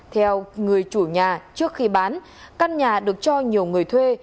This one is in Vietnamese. theo người chủ nhà trước khi bán căn nhà được cho nhiều người thuê